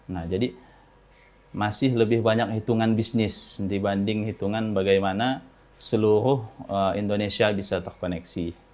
nah jadi masih lebih banyak hitungan bisnis dibanding hitungan bagaimana seluruh indonesia bisa terkoneksi